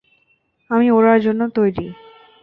আমি উড়ার জন্য তৈরি।